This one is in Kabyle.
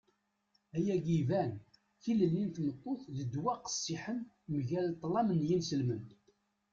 ayagi iban. tilelli n tmeṭṭut d ddwa qqessiḥen mgal ṭṭlam n yinselmen